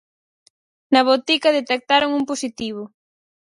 Na botica detectaron un positivo.